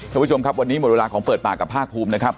คุณผู้ชมครับวันนี้หมดเวลาของเปิดปากกับภาคภูมินะครับ